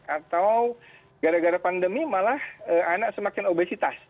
atau gara gara pandemi malah anak semakin obesitas